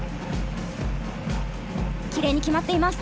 きれいに決まっています。